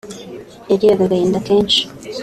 yagiraga agahinda kenshi